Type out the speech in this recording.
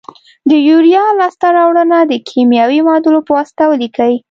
د یوریا لاس ته راوړنه د کیمیاوي معادلو په واسطه ولیکئ.